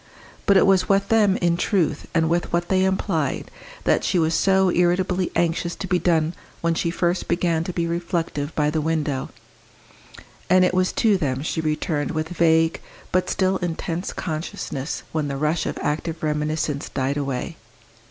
But it was with them, in truth, and with what they implied, that she was so irritably anxious to be done when she first began to be reflective by the window; and it was to them she returned with vague, but still intense consciousness when the rush of active reminiscence died away.